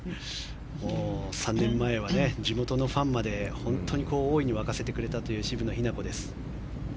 ３年前は地元のファンまで大いに沸かせてくれた渋野日向子です。